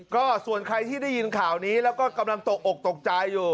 ก็ส่วนใครที่ได้ยินข่าวนี้แล้วก็กำลังตกอกตกใจอยู่